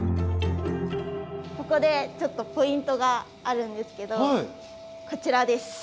ここでちょっとポイントがあるんですけどこちらです。